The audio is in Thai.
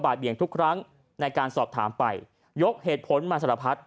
ก็บาดเบียงทุกล้างในการสอบถามไปยกเหตุผลมาสรรพัส